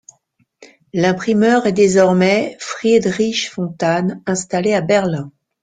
L'imprimeur est désormais Friedrich Fontane, installé à Berlin.